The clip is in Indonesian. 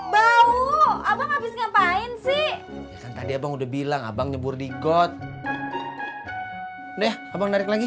bau abang habis ngapain sih tadi abang udah bilang abang nyembur di god deh abang naik lagi